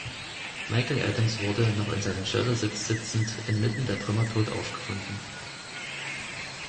Michael Adams wurde, noch in seinem Schleudersitz sitzend, inmitten der Trümmer tot aufgefunden.